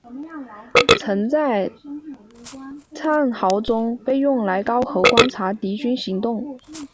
曾在堑壕战中被用来从壕沟观察敌军动态。